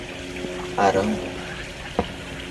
Arandu